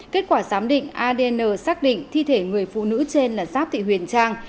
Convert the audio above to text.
kết quả giám định adn xác định thi thể người phụ nữ trên là giáp thị huyền trang